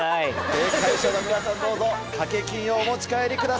正解者の皆さんどうぞ賭け金をお持ち帰りください。